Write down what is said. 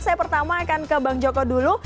saya pertama akan ke bang joko dulu